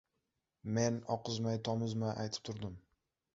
Men oqizmay-tomizmay aytib turdim.